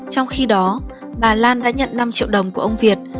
trong khi đó bà lan đã nhận năm triệu đồng của ông việt